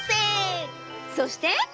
そして。